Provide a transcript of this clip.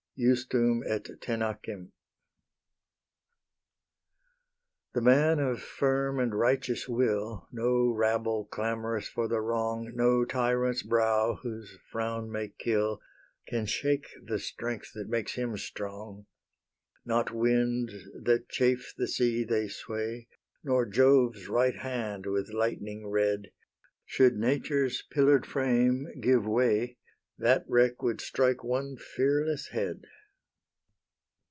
JUSTUM ET TENACEM. The man of firm and righteous will, No rabble, clamorous for the wrong, No tyrant's brow, whose frown may kill, Can shake the strength that makes him strong: Not winds, that chafe the sea they sway, Nor Jove's right hand, with lightning red: Should Nature's pillar'd frame give way, That wreck would strike one fearless head.